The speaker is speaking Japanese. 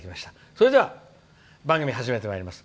それでは番組始めてまいります。